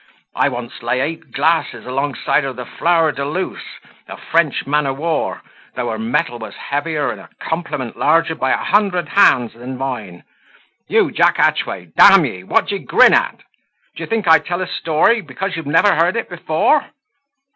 I once lay eight glasses alongside of the Flour de Louse, a French man of war, though her mettle was heavier, and her complement larger by a hundred hands than mine. You, Jack Hatchway, d ye, what d'ye grin at! D'ye think I tell a story, because you never heard it before?"